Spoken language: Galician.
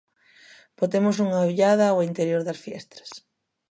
Botemos unha ollada ao interior das fiestras.